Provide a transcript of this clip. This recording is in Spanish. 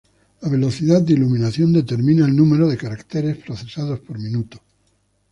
La velocidad de iluminación determina el número de caracteres procesados por minuto.